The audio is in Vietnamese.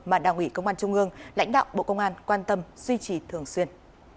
mà đảng ủy công an trung ương lãnh đạo bộ công an quan tâm duy trì thường xuyên